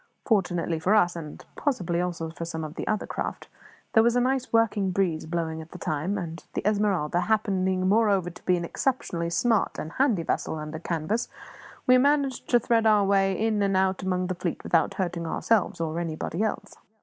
Fortunately for us and possibly also for some of the other craft there was a nice working breeze blowing at the time; and, the Esmeralda happening moreover to be an exceptionally smart and handy vessel under canvas, we managed to thread our way in and out among the fleet without hurting ourselves or anybody else.